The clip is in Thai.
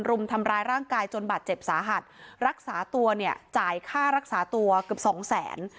รุมทำร้ายร่างกายจนบาดเจ็บสาหัสรักษาตัวเนี่ยจ่ายค่ารักษาตัวเกือบสองแสน